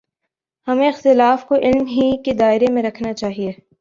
ہمیں اختلاف کو علم ہی کے دائرے میں رکھنا چاہیے۔